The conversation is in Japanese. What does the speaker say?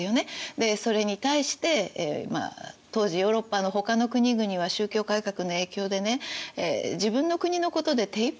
でそれに対して当時ヨーロッパのほかの国々は宗教改革の影響でね自分の国のことで手いっぱい。